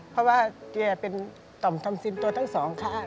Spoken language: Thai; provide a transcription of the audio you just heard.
เพราะว่าแกเป็นต่อมทอมซิมตัวทั้งสองข้าง